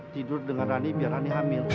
tidur dengan rani biar rani hamil